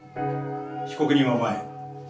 被告人は前へ。